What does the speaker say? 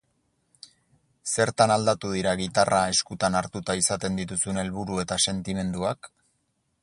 Zertan aldatu dira gitarra eskutan hartuta izaten dituzun helburu eta sentimenduak?